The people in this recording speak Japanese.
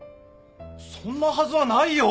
そんなはずはないよ。